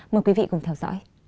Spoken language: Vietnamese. mời quý vị cùng theo dõi